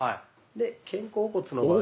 で肩甲骨の場合は。